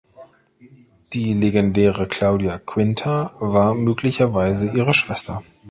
Die legendäre Claudia Quinta war möglicherweise ihre Schwester.